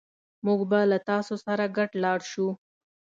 موږ به له تاسو سره ګډ لاړ شو